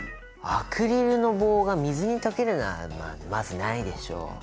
「アクリルの棒が水に溶ける」のはまあまずないでしょ。